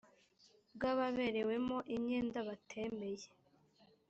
bw ababerewemo imyenda batemeye